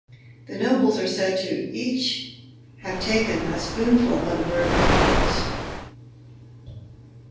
The nobles are said each to have taken a spoonful of the brew afterwards.